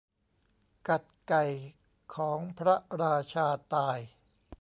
กัดไก่ของพระราชาตาย